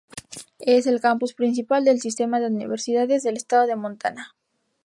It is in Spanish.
Es el campus principal del sistema de universidades del estado de Montana.